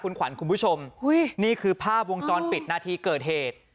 คุณขวัญคุณผู้ชมนี่คือภาพวงจรปิดนาทีเกิดเหตุ